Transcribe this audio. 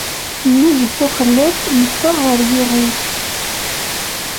Nnig Buxellad, neffeɣ ɣer Yiɣil.